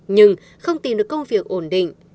nhưng không tìm được công việc ổn định